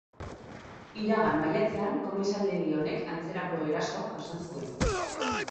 Iragan maiatzean, komisaldegi honek antzerako erasoa jasan zuen.